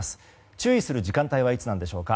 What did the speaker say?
注意する時間帯はいつなんでしょうか？